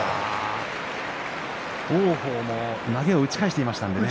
王鵬も投げを打ち返していましたからね。